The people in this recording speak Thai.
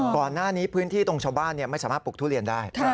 ก่อนหน้านี้พื้นที่ตรงชาวบ้านไม่สามารถปลูกทุเรียนได้